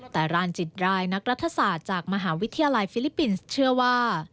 แต่รานจิตรายนักรัฐศาสตร์จากมหาวิทยาลัยฟิลิปปินส์เชื่อว่า